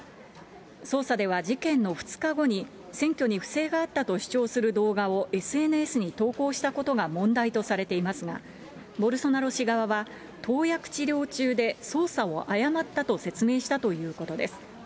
捜査では事件の２日後に、選挙に不正があったと主張する動画をＳＮＳに投稿したことが問題とされていますが、ボルソナロ氏側は、投薬治療中で操作を誤ったと説明したということです。